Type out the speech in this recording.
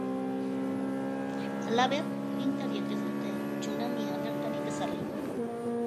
Halaber, agintariek ez dute tsunami alertarik ezarri.